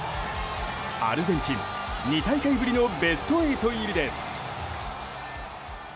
アルゼンチン２大会ぶりのベスト８入りです。